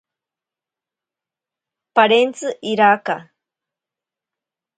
Parentsi iraka.